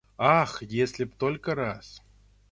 Ах, если б только раз